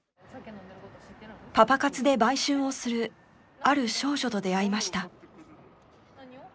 パパ活で売春をするある少女と出会いました。